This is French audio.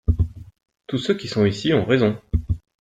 Tous ceux qui sont ici ont raison.